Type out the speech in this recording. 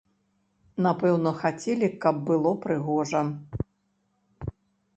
Напэўна, хацелі, каб было прыгожа.